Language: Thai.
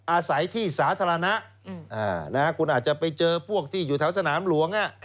อาศัยที่สาธารณะคุณอาจจะไปเจอพวกที่อยู่แถวสนามหลวง